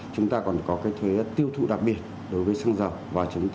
chúng ta còn có cái thuế tiêu thụ đặc biệt đối với xăng dầu